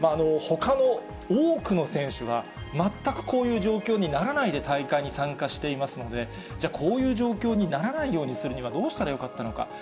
ほかの多くの選手は、全くこういう状況にならないで大会に参加していますので、じゃあ、こういう状況にならないようにするには、どうしたらよかったのか。